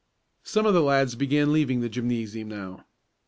Some of the lads began leaving the gymnasium now.